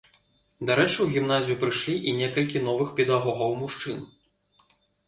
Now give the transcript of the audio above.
Дарэчы, у гімназію прыйшлі і некалькі новых педагогаў-мужчын.